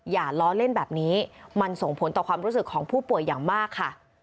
อย่าล้อเล่นแบบนี้มันส่งผลต่อความรู้สึกของผู้ป่วยอย่างมากค่ะ